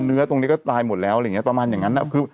เนื้อตรงนี้ก็ตายหมดแล้วอะไรอย่างนี้ประมาณอย่างนั้น